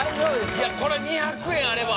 いやこれ２００円あれば。